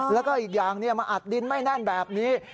แล้วก็อีกอย่างมาอัดดินไม่แน่นแบบนี้